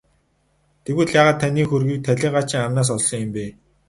Тэгвэл яагаад таны хөрөгийг талийгаачийн амнаас олсон юм бэ?